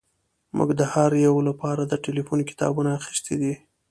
موږ د هر یو لپاره د ټیلیفون کتابونه اخیستي دي